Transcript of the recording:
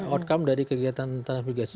outcome dari kegiatan transmigrasi